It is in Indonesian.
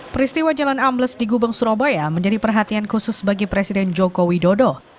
peristiwa jalan ambles di gubeng surabaya menjadi perhatian khusus bagi presiden joko widodo